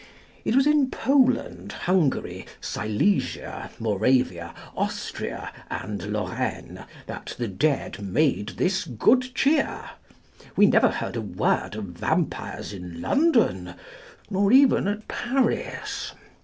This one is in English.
It was in Poland, Hungary, Silesia, Moravia, Austria, and Lorraine, that the dead made this good cheer. We never heard a word of vampires in London, nor even at Paris.